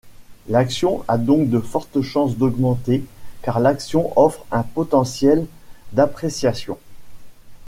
L'action a donc de fortes chances d'augmenter, car l'action offre un potentiel d'appréciation.